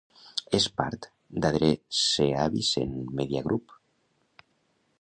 És part d'Adresseavisen Media Group.